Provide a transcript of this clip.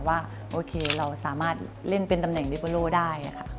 ว่าโอเคเราสามารถเล่นเป็นตำแหน่งลิเบอร์โลได้ค่ะ